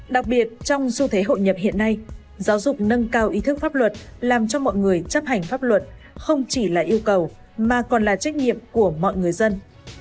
đặc biệt trong xu thế hội nhập hiện nay giáo dục nâng cao ý thức pháp luật làm cho mọi người chấp hành pháp luật không chỉ là yêu cầu mà còn là trách nhiệm của mọi người dân